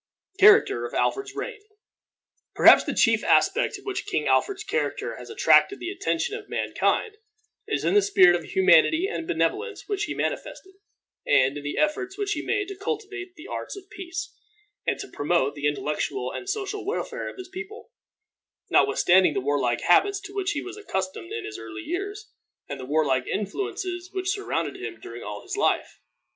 CHARACTER OF ALFRED'S REIGN. Perhaps the chief aspect in which King Alfred's character has attracted the attention of mankind, is in the spirit of humanity and benevolence which he manifested, and in the efforts which he made to cultivate the arts of peace, and to promote the intellectual and social welfare of his people, notwithstanding the warlike habits to which he was accustomed in his early years, and the warlike influences which surrounded him during all his life.